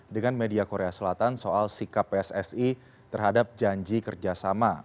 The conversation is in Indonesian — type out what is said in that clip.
dengan media korea selatan soal sikap pssi terhadap janji kerjasama